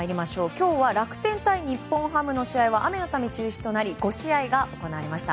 今日は楽天対日本ハムの試合は雨のため中止となり５試合が行われました。